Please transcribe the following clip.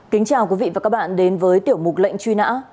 kính chào quý vị và các bạn đến với tiểu mục lệnh truy nã